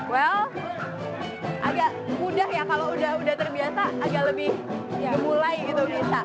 well agak mudah ya kalau udah terbiasa agak lebih ya mulai gitu bisa